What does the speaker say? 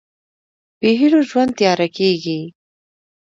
بېهيلو ژوند تیاره کېږي.